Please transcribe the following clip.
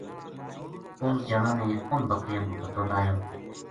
اس جنا نے اُنھ بکریاں کو پَتو لایو